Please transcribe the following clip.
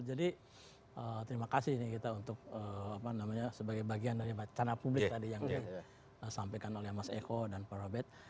jadi terima kasih ini kita untuk sebagai bagian dari pacara publik tadi yang disampaikan oleh mas eko dan pak robet